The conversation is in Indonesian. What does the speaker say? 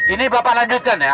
ini bapak lanjutkan ya